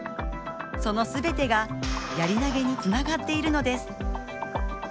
その全てが、やり投げにつながっているのです。